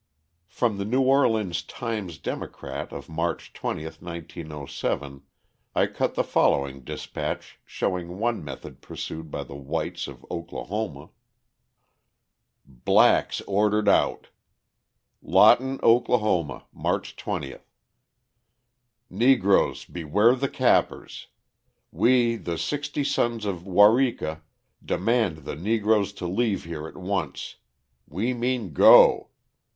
From the New Orleans Times Democrat of March 20, 1907, I cut the following dispatch showing one method pursued by the whites of Oklahoma: BLACKS ORDERED OUT Lawton, Okla., March 20. "Negroes, beware the cappers. We, the Sixty Sons of Waurika, demand the Negroes to leave here at once. We mean Go!